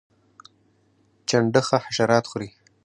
چنډخه حشرات خوري